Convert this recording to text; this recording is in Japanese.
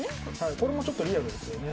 これもちょっとリアルですよね